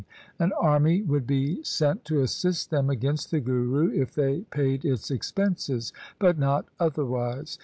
An army would be sent to assist them against the Guru, if they paid its expenses, but not otherwise.